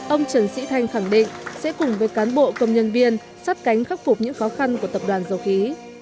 ông trần sĩ thanh khẳng định sẽ cùng với cán bộ công nhân viên sát cánh khắc phục những khó khăn của tập đoàn dầu khí